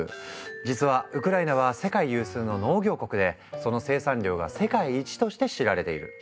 実はウクライナは世界有数の農業国でその生産量が世界一として知られている。